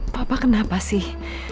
papa kenapa sih